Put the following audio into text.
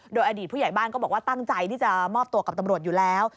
โดยอดีตผู้ใหญ่บ้านก็บอกว่าตั้งใจที่จะมอบตัวกับตำรวจอยู่แล้ว